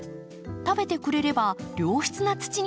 食べてくれれば良質な土になります。